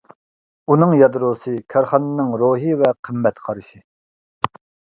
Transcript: ئۇنىڭ يادروسى كارخانىنىڭ روھى ۋە قىممەت قارىشى.